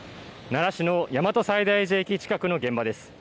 奈良市の大和西大寺駅近くの現場です。